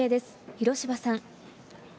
広芝さん。